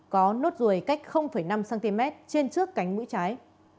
có nốt ruồi cách năm cm trên trước cánh mũi trái